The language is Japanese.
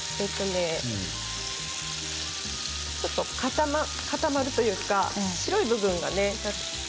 ちょっと固まるというか白い部分がね。